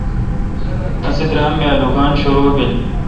اسی درام می آلوگان شرو بیل۔